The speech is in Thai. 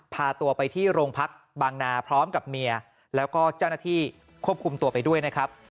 พาตัวไปที่โรงพักบางนาพร้อมกับเมียแล้วก็เจ้าหน้าที่ควบคุมตัวไปด้วยนะครับ